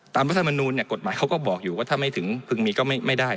ตามประธานบรรณูนกฎหมายเขาก็บอกอยู่ว่าถ้าไม่ถึงพึงมีก็ไม่ได้